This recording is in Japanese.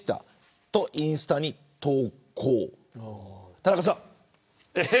田中さん。